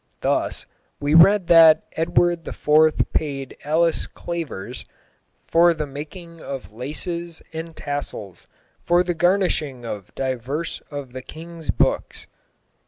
Thus, we read that Edward IV. paid Alice Clavers, "for the makyng of xvj. laces and xvj. tassels for the garnysshing of divers of the kinge's bookes ijs.